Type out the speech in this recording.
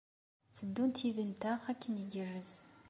Tteddunt yid-nteɣ akken igerrez.